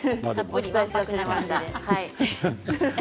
お伝えし忘れました。